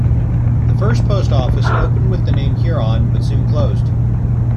The first post office opened with the name Huron, but soon closed.